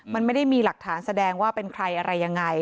มันไม่ได้มีหลักฐานแสดงว่าเป็นใครอะไรยังไง